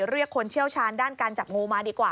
เรียกคนเชี่ยวชาญด้านการจับงูมาดีกว่า